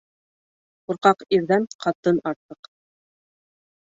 Ҡурҡаҡ ирҙән ҡатын артыҡ